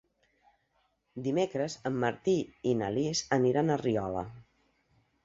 Dimecres en Martí i na Lis aniran a Riola.